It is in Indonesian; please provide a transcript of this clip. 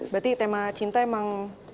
berarti tema cinta emang